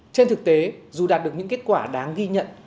trên thực tế dù đạt được những kết quả đáng ghi nhận